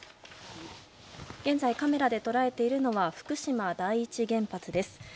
現在、カメラで捉えているのは福島第一原発です。